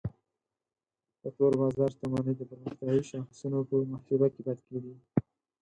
د تور بازار شتمنۍ د پرمختیایي شاخصونو په محاسبه کې پاتې کیږي.